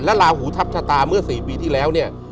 ลาหูทับชะตาเมื่อ๔ปีที่แล้วเนี่ย